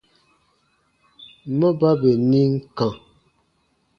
Ma ba bè nim kã.